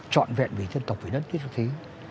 trọn vẹn với dân tộc với đất tiết thức thí